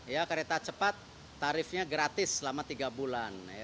ya kereta cepat tarifnya gratis selama tiga bulan